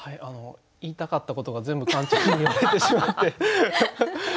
あの言いたかったことが全部カンちゃんに言われてしまって。